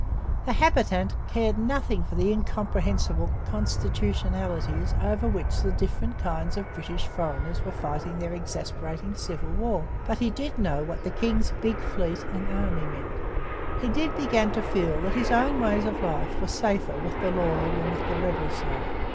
The habitant cared nothing for the incomprehensible constitutionalities over which different kinds of British foreigners were fighting their exasperating civil war. But he did know what the king's big fleet and army meant. He did begin to feel that his own ways of life were safer with the loyal than with the rebel side.